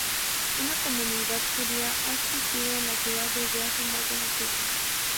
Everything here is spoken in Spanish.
Una comunidad judía ha existido en la ciudad desde hace más de un siglo.